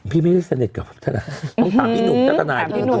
พี่ไม่สนิทกับทนายเจมส์ต้องตามพี่หนุ่มกับทนายตัวเองตัวเอง